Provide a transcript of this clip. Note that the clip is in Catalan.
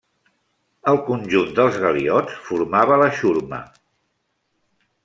El conjunt dels galiots formava la xurma.